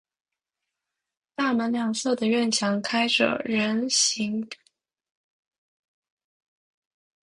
大门两侧的院墙开着人行便门。